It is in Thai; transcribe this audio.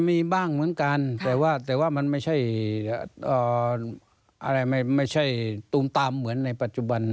มีบ้างเหมือนกันแต่ว่ามันไม่ใช่อะไรไม่ใช่ตูมตามเหมือนในปัจจุบัน